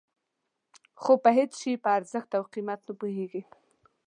خو په هېڅ شي په ارزښت او قیمت نه پوهېږي.